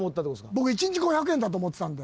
僕１日５００円だと思ってたんで。